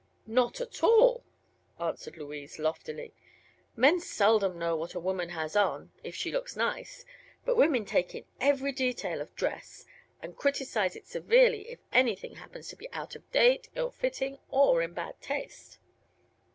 "Not at all," answered Louise, loftily. "Men seldom know what a woman has on, if she looks nice; but women take in every detail of dress and criticise it severely if anything happens to be out of date, ill fitting or in bad taste."